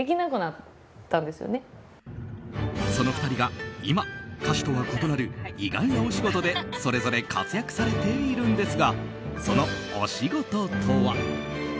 その２人が今、歌手とは異なる意外なお仕事でそれぞれ活躍されているんですがそのお仕事とは。